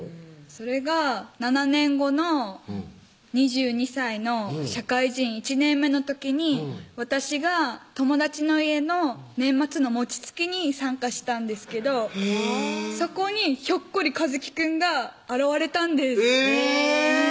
それが７年後の２２歳の社会人１年目の時に私が友達の家の年末の餅つきに参加したんですけどそこにひょっこり一紀くんが現れたんですえぇ！